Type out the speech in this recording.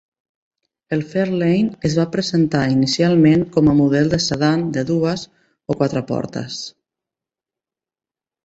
El Fairlane es va presentar inicialment com a model de sedan de dues o quatre portes.